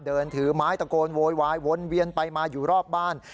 เดินถือไม้ตะโกนโวยวายวนเวียนไปมาอยู่รอบบ้าน